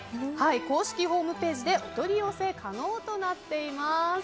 公式ホームページでお取り寄せ可能となっています。